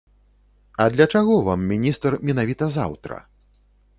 А для чаго вам міністр менавіта заўтра?